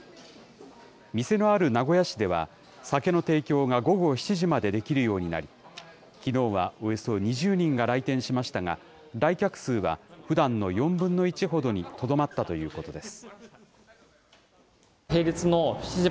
店のある名古屋市では、酒の提供が午後７時までできるようになり、きのうはおよそ２０人が来店しましたが、来客数はふだんの４分の１ほどにとどまったということです。